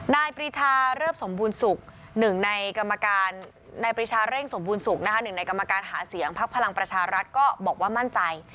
นายปริชาเริ่มสมบูรณ์ศุกร์หนึ่งในกรรมการหาเสียงพักพลังประชารัฐก็บอกว่ามั่นใจ